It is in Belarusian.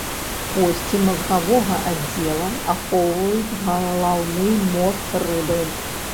Косці мазгавога аддзела ахоўваюць галаўны мозг рыбы.